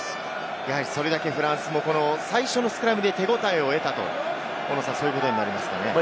それだけフランスも最初のスクラムで手応えを得た。ということになりますかね。